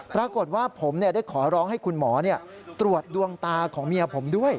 ปรากฏว่าผมได้ขอร้องให้คุณหมอตรวจดวงตาของเมียผมด้วย